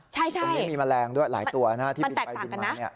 ตรงนี้มีแมลงด้วยหลายตัวนะที่บินไปบินมา